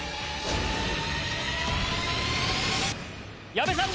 矢部さん